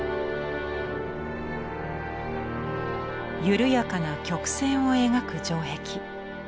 緩やかな曲線を描く城壁。